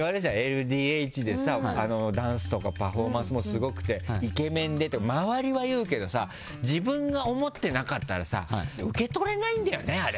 ＬＤＨで、ダンスとかパフォーマンスもすごくてイケメンで、周りは言うけど自分が思ってなかったら受け取れないんだよね、あれ。